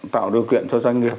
tạo điều kiện cho doanh nghiệp